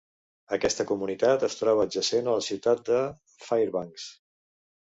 Aquesta comunitat es troba adjacent a la ciutat de Fairbanks.